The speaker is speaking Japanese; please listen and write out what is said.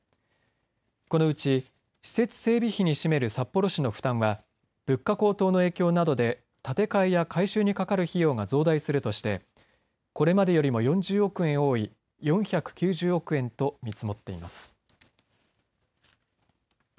このうち施設整備費に占める札幌市の負担は物価高騰の影響などで建て替えや改修にかかる費用が増大するとしてこれまでよりも４０億円多い４９０億円と見積もっています。